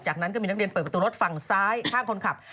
จากนั้นก็มีนักเรียนเปิดประตูรถฝั่งซ้ายข้างคนขับ